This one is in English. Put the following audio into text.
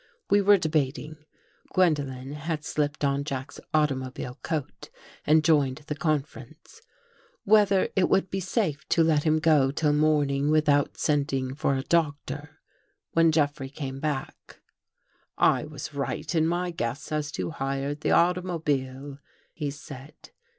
We 238 THE THIRD CONFESSION were debating — Gwendolen had slipped on Jack's automobile coat and joined the conference — whether it would be safe to let him go till morning without sending for a doctor, when Jeffrey came back. '' I was right in my guess as to who hired the automobile," he said.